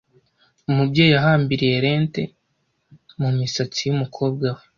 Umubyeyi yahambiriye lente mumisatsi yumukobwa we.